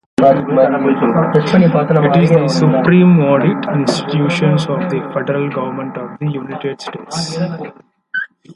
It is the supreme audit institution of the federal government of the United States.